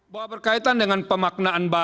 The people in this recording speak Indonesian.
bahwa berkaitan dengan pemaknaan bangsa